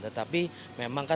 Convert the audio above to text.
tetapi memang kan